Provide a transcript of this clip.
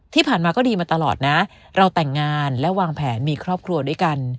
ที่ผ่านมาก็ดีมาตลอดนะเราแต่งงานและวางแผนมีครอบครัวด้วยกัน